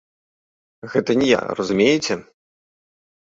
Гэта не я, разумееце?